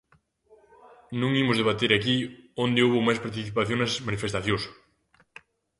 Non imos debater aquí onde houbo máis participación nas manifestacións.